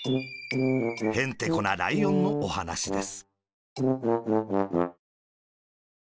へんてこなライオンのおはなしです。